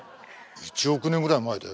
１億年ぐらい前だよ？